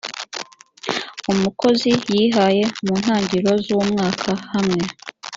umukozi yihaye mu ntangiro z umwaka hamwe